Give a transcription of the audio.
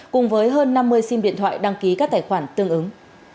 cùng với hơn năm mươi sim điện thoại đăng ký các tài khoản tương ứng